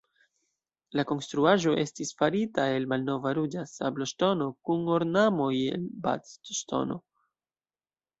La konstruaĵo estis farita el malnova ruĝa sabloŝtono, kun ornamoj el Bath-Ŝtono.